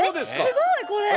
すごいこれ！